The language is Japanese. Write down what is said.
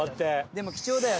でも貴重だよ。